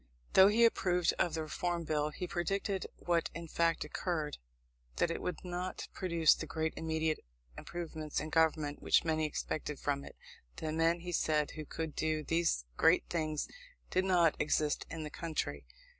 Though he approved of the Reform Bill, he predicted, what in fact occurred, that it would not produce the great immediate improvements in government which many expected from it. The men, he said, who could do these great things did not exist in the country.